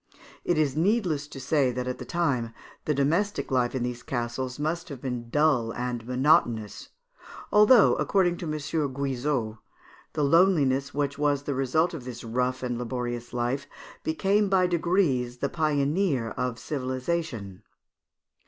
It is needless to say, that at that time the domestic life in these castles must have been dull and monotonous; although, according to M. Guizot, the loneliness which was the resuit of this rough and laborious life, became by degrees the pioneer of civilisation.